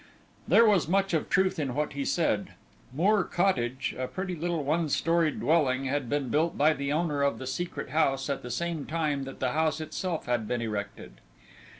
There was much of truth in what he said. Moor Cottage, a pretty little one storied dwelling, had been built by the owner of the Secret House at the same time that the house itself had been erected.